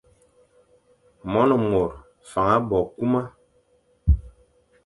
Mone mor faña bo kuma.